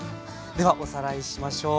ではおさらいしましょう。